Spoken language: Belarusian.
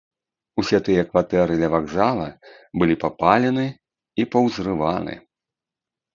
Усе тыя кватэры ля вакзала былі папалены і паўзрываны.